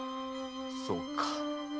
そうか。